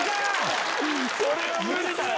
それは無理だよ！